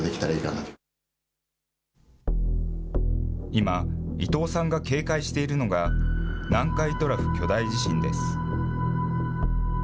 今、伊藤さんが警戒しているのが、南海トラフ巨大地震です。